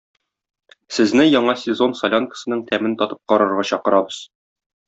Сезне яңа сезон солянкасының тәмен татып карарга чакырабыз!